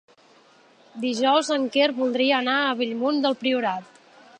Dijous en Quer voldria anar a Bellmunt del Priorat.